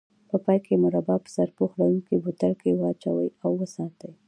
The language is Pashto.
په پای کې مربا په سرپوښ لرونکي بوتل کې واچوئ او وساتئ.